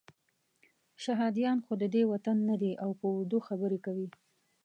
شهادیان خو ددې وطن نه دي او په اردو خبرې کوي.